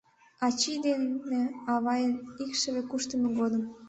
Ачий дене авайын икшыве куштымо годым